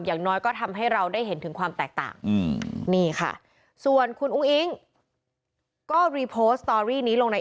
อย่างน้อยก็ทำให้เราได้เห็นถึงความแตกต่างนี่ค่ะส่วนคุณอุ้งอิงก็รีโพสต์สตอรี่นี้ลงใน